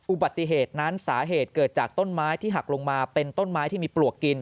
อุบัติเหตุนั้นสาเหตุเกิดจากต้นไม้ที่หักลงมาเป็นต้นไม้ที่มีปลวกกิน